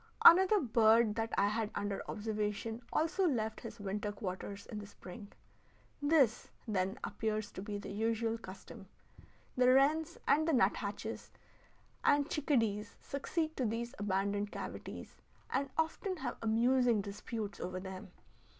Another bird that I had under observation also left his winter quarters in the spring. This, then, appears to be the usual custom. The wrens and the nut hatches and chickadees succeed to these abandoned cavities, and often have amusing disputes over them.